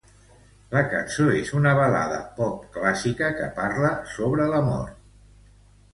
La cançó és una balada pop clàssica que parla sobre l'amor.